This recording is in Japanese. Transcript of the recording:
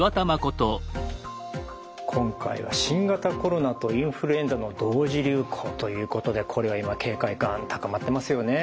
今回は新型コロナとインフルエンザの同時流行ということでこれは今警戒感高まってますよね。